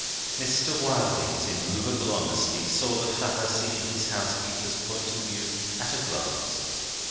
Mr. Wilding's immovable honesty saw the fallacy in his housekeeper's point of view at a glance.